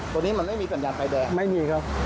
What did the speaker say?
ตรงนี้มันไม่มีสัญญาณไฟแดงไม่มีครับ